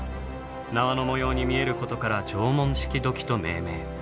縄の模様に見えることから縄文式土器と命名。